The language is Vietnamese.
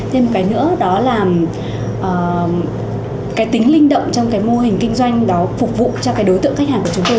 thêm một cái nữa đó là cái tính linh động trong cái mô hình kinh doanh đó phục vụ cho cái đối tượng khách hàng của chúng tôi